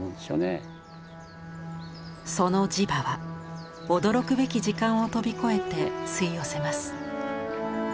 その磁場は驚くべき時間を飛び越えて吸い寄せます。